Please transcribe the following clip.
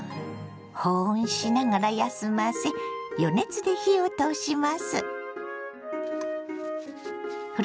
保温しながら休ませ予熱で火を通します。